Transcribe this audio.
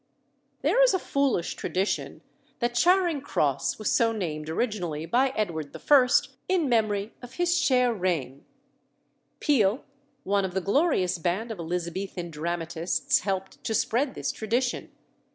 There is a foolish tradition that Charing Cross was so named originally by Edward I. in memory of his chère reine. Peele, one of the glorious band of Elizabethan dramatists, helped to spread this tradition.